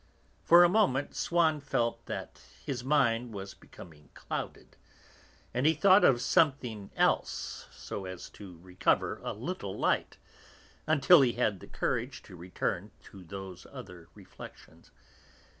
For a moment Swann felt that his mind was becoming clouded, and he thought of something else so as to recover a little light; until he had the courage to return to those other reflections.